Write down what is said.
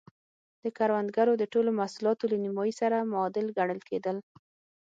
د کروندګرو د ټولو محصولاتو له نییمایي سره معادل ګڼل کېدل.